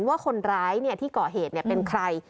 ว่าคนร้ายที่ก่อเหตุเป็นใคร